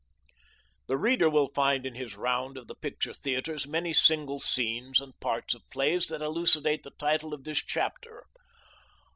The reader will find in his round of the picture theatres many single scenes and parts of plays that elucidate the title of this chapter.